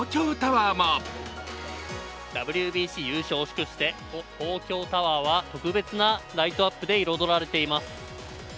ＷＢＣ優勝を祝して東京タワーも特別な色でライトアップされています。